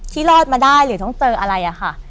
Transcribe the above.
รอดมาได้หรือต้องเจออะไรอะค่ะ